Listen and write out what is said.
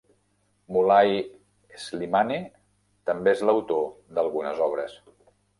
Mulay Slimane també és l'autor d'algunes obres.